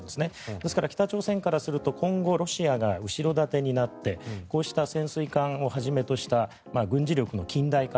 ですから、北朝鮮からすると今後、ロシアが後ろ盾になってこうした潜水艦をはじめとした軍事力の近代化